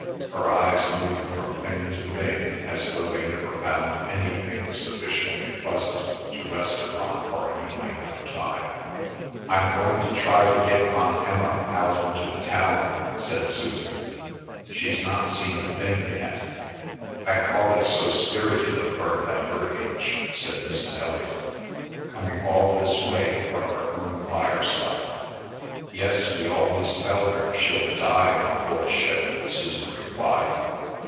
Her eyes moved from thing to thing as though they never found anything sufficiently pleasant to rest upon for any length of time. "I'm going to try to get Aunt Emma out into the town," said Susan. "She's not seen a thing yet." "I call it so spirited of her at her age," said Mrs. Elliot, "coming all this way from her own fireside." "Yes, we always tell her she'll die on board ship," Susan replied.